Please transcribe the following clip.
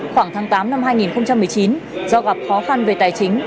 khoảng tháng tám năm hai nghìn một mươi chín do gặp khó khăn về tài chính